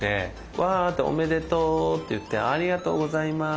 「わおめでとう！」と言って「ありがとうございます！」